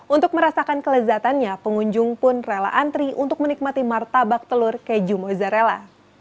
untuk merasakan kelezatannya pengunjung pun rela antri untuk menikmati martabak telur keju mozzarella